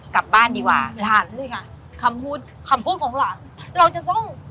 กลับบ้านดีกว่าหลานเลยค่ะคำพูดคำพูดของหลานเราจะต้อง